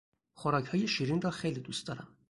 خوراکهای شیرین را خیلی دوست دارم.